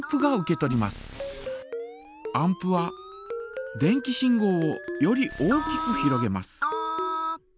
アンプは電気信号をより大きくひろげます。